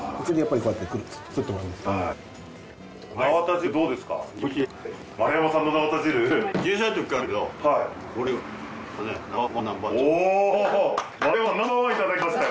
そうですか？